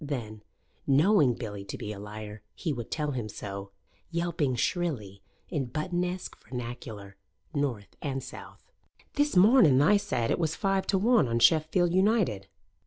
Then, knowing Billy to be a liar, he would tell him so, yelping shrilly, in Buttonesque vernacular (North and South): "This morning tha said it was five to one on Sheffield United."